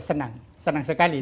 senang senang sekali